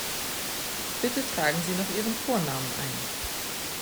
Bitte tragen Sie noch Ihren Vornamen ein.